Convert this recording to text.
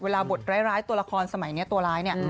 บทร้ายตัวละครสมัยนี้ตัวร้ายเนี่ย